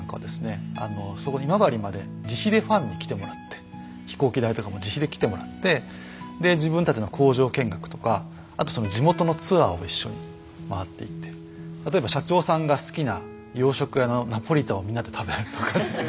今治まで自費でファンに来てもらって飛行機代とかも自費で来てもらって自分たちの工場見学とかあと地元のツアーを一緒に回っていって例えば社長さんが好きな洋食屋のナポリタンをみんなで食べるとかですね。